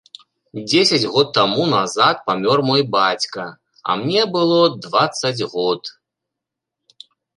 Дзесяць год таму назад памёр мой бацька, а мне было дваццаць год.